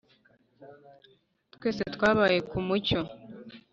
twese twabaye kumucyo